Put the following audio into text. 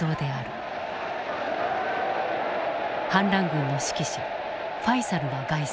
反乱軍の指揮者ファイサルが凱旋。